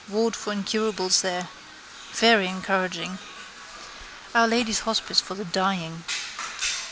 Ward for incurables there. Very encouraging. Our Lady's Hospice for the dying.